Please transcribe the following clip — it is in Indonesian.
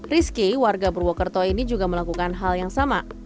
rizky warga purwokerto ini juga melakukan hal yang sama